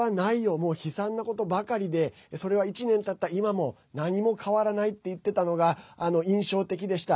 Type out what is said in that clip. もう悲惨なことばかりでそれは１年たった今も何も変わらないって言ってたのが印象的でした。